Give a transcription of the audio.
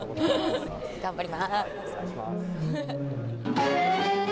頑張ります。